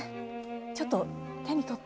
ちょっと手に取って。